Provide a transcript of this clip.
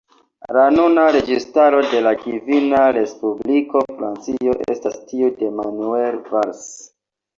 La nuna registaro de la kvina Respubliko Francio estas tiu de Manuel Valls.